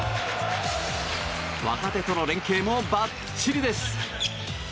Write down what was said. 若手との連係もばっちりです。